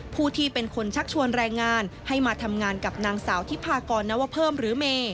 ผู้ที่เป็นคนชักชวนแรงงานให้มาทำงานกับนางสาวทิพากรนวเพิ่มหรือเม